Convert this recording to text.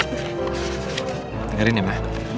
dengarin ya ma